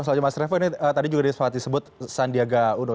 selanjutnya mas revo ini tadi juga sempat disebut sandiaga uno